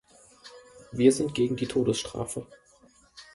Wir sind gegen die Todesstrafe.